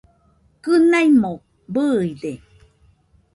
Kɨnaimo bɨide